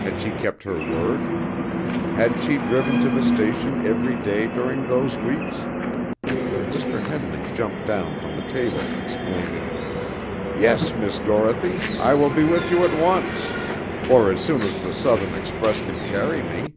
Had she kept her word? Had she driven to the station every day during those weeks? Mr. Henley jumped down from the table, exclaiming: "Yes, Miss Dorothy, I will be with you at once, or as soon as the southern express can carry me."